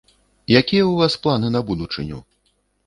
Якія ў вас планы на будучыню?